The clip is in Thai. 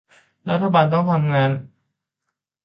รัฐบาลต้องร่วมกันทำงาน